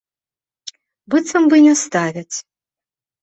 Быццам бы не ставяць.